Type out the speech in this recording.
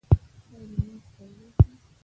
ایا لمونځ کولی شئ؟